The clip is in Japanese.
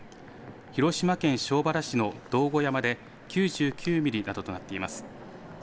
広島県庄原市の道後山で９９ミリなどとなっています。